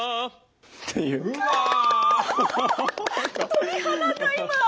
鳥肌が今。